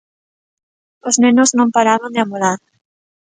Os nenos non paraban de amolar